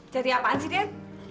jadi apaan sih den